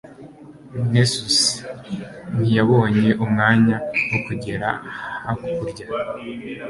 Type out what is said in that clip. Nessus ntiyabonye umwanya wo kugera hakurya